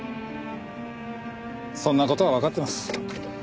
そんな事はわかってます。